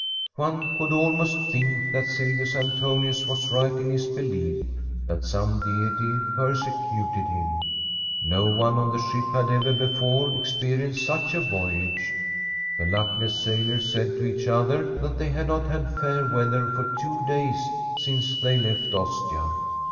One could almost think that Silvius Antonius was right in his belief that some deity persecuted him. No one on the ship had ever before ex perienced such a voyage. The luckless sailors ' said to each other that they had not had fair weather for two days since they left Ostia.